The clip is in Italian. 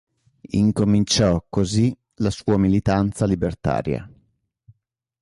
Incominciò così la sua militanza libertaria.